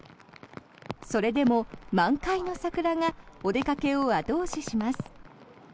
それでも満開の桜がお出かけを後押しします。